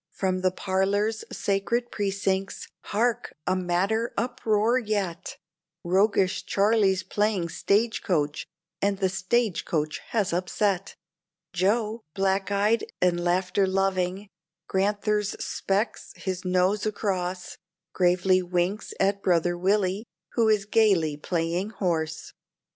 From from the parlor's sacred precincts, hark! a madder uproar yet; Roguish Charlie's playing stage coach, and the stage coach has upset! Joe, black eyed and laughter loving, Grand'ther's specs his nose across, Gravely winks at brother Willie, who is gayly playing horse.